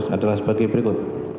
adalah sebagai berikut